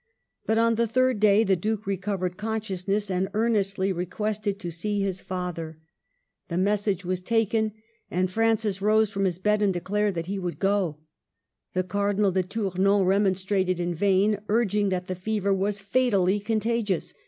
But on the third day the Duke recovered consciousness and earnestly requested to see his father. The 274 MARGARET OF ANGOULl^ME. message was taken, and Francis rose from his bed and declared that he would go. The Car dinal de Tournon remonstrated in vain, urging that the fever was fatally contagious.